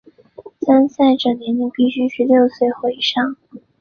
参赛者年龄必须六岁或以上。